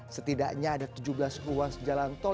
setidaknya ada tujuh belas ruas jalan tol